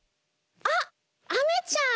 あっアメちゃん！